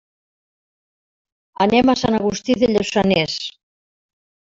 Anem a Sant Agustí de Lluçanès.